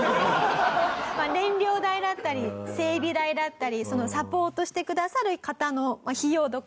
燃料代だったり整備代だったりサポートしてくださる方の費用とかも色々。